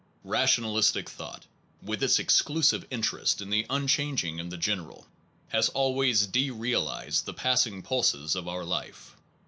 Rationalistic thought, with its exclusive interest in the unchanging and the general, has always de realized the passing pulses of our life.